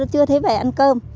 chưa thấy về ăn cơm